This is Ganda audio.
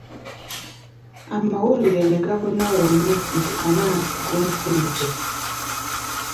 Amawulire ne gabuna wonna nti Anansi gumusinze.